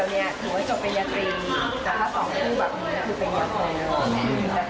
แต่ถ้าสองผู้แบบนี้คือเป็งยะเติร์ล